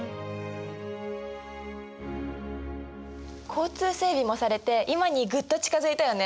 交通整備もされて今にぐっと近づいたよね。